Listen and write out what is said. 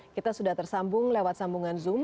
kita sudah tersambung lewat sambungan zoom